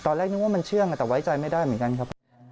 นึกว่ามันเชื่องแต่ไว้ใจไม่ได้เหมือนกันครับ